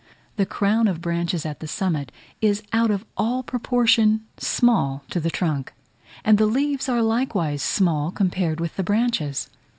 The crown of branches at the summit is out of all proportion small to the trunk; and the leaves are likewise small compared with the branches.